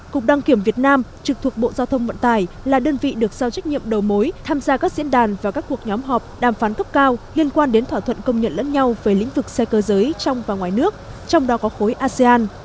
cục đăng kiểm việt nam trực thuộc bộ giao thông vận tài là đơn vị được giao trách nhiệm đầu mối tham gia các diễn đàn và các cuộc nhóm họp đàm phán cấp cao liên quan đến thỏa thuận công nhận lẫn nhau về lĩnh vực xe cơ giới trong và ngoài nước trong đó có khối asean